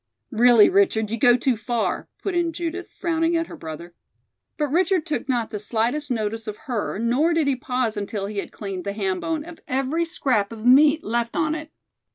"Really, Richard, you go too far," put in Judith, frowning at her brother. But Richard took not the slightest notice of her, nor did he pause until he had cleaned the ham bone of every scrap of meat left on it.